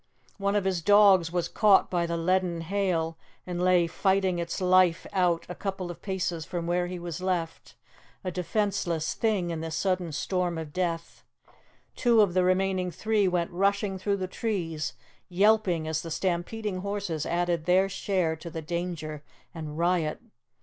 One of his dogs was caught by the leaden hail and lay fighting its life out a couple of paces from where he was left, a defenceless thing in this sudden storm of death. Two of the remaining three went rushing through the trees, yelping as the stampeding horses added their share to the danger and riot.